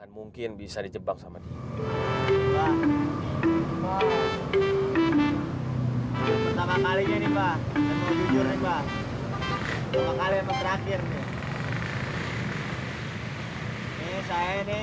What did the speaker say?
mungkin bisa dijebak sama dia